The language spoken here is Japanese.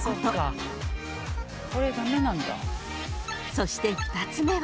［そして２つ目は］